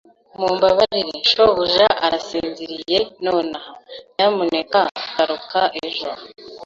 Mumbabarire, shobuja arasinziriye nonaha. Nyamuneka garuka ejo.